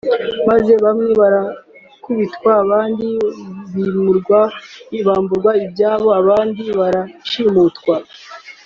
maze bamwe barakubitwa abandi bamburwa ibyabo abandi barashimutwa